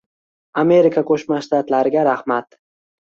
Amerika Qo'shma Shtatlariga rahmat.